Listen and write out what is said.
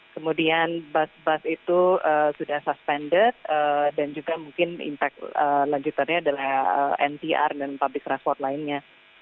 kemudian bus bus itu sudah suspended dan juga mungkin impact lanjutannya adalah ntr dan public transport lainnya